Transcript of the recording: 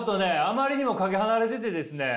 あまりにもかけ離れててですね。